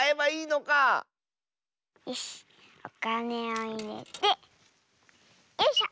よしおかねをいれてよいしょ！